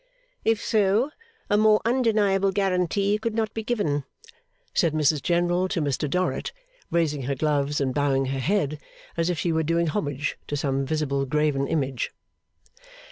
'If so, a more undeniable guarantee could not be given,' said Mrs General to Mr Dorrit, raising her gloves and bowing her head, as if she were doing homage to some visible graven image.